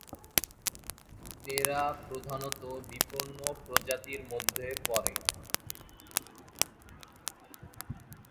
এরা প্রধানত বিপন্ন প্রজাতির মধ্যে পরে।